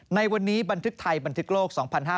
ในวันนี้บันทึกไทยบันทึกโลก๒๕๕๙